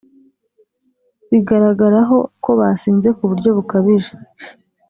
bigaragaraho ko basinze ku buryo bukabije